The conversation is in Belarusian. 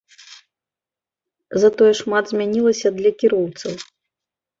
Затое шмат змянілася для кіроўцаў.